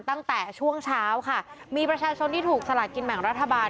ตั้งแต่ช่วงเช้าค่ะมีประชาชนที่ถูกสลากินแบ่งรัฐบาล